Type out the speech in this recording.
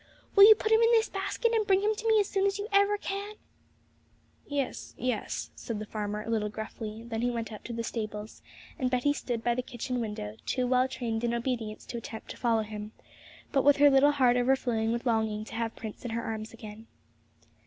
Will you put him in this basket and bring him to me as soon as ever you can?' 'Yes, yes,' said the farmer a little gruffly, and then he went out to the stables; and Betty stood by the kitchen window, too well trained in obedience to attempt to follow him, but with her little heart overflowing with longing to have Prince in her arms again.